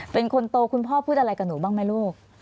เป็นคนโตคุณพ่อพูดอะไรกับหนูบ้างไหมลูก